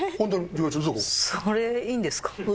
それいいんですか？